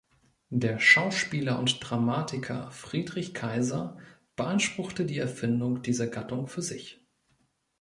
Der Schauspieler und Dramatiker Friedrich Kaiser beanspruchte die Erfindung dieser Gattung für sich.